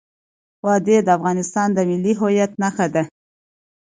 وادي د افغانستان د ملي هویت نښه ده.